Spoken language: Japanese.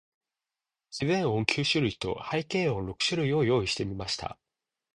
自然音九種類と、背景音六種類を用意してみました。